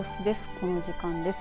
この時間です。